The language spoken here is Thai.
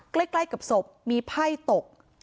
ใกล้กับศพมีไพ่ตก